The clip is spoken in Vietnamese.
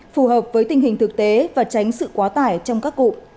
phù hợp với tình hình thực tế và tránh sự quá tải trong các cụ